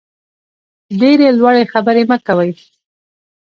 ډېرې لوړې خبرې مه کوئ.